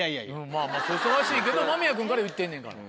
まぁ忙しいけど間宮君から言ってんねんから。